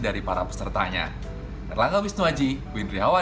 untuk mencari pemandu wisata yang bisa bersertanya